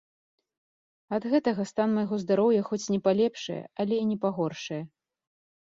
Ад гэтага стан майго здароўя хоць не палепшае, але і не пагоршае.